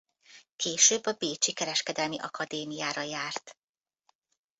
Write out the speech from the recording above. Később a bécsi Kereskedelmi Akadémiára járt.